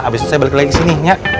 abis itu saya balik lagi ke sini